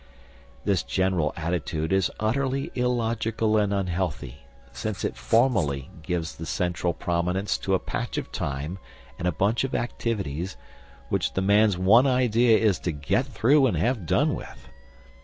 This general attitude is utterly illogical and unhealthy, since it formally gives the central prominence to a patch of time and a bunch of activities which the man's one idea is to "get through" and have "done with."